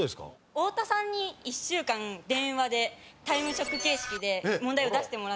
太田さんに１週間電話で『タイムショック』形式で問題を出してもらっていて。